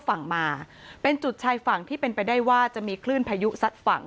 ฝั่งมาเป็นจุดชายฝั่งที่เป็นไปได้ว่าจะมีคลื่นพายุซัดฝั่ง